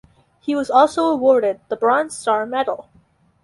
He was also awarded the Bronze Star Medal.